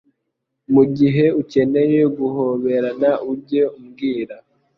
mugihe ukeneye guhoberana ujye umbwira